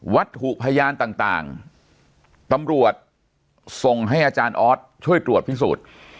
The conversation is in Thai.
วัตถุพยานต่างตำรวจส่งให้อาจารย์ออสช่วยตรวจพิสูจน์